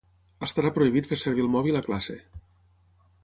Estarà prohibit fer servir el mòbil a classe.